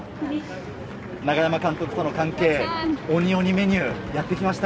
永山監督との関係、鬼鬼メニューをやってきました。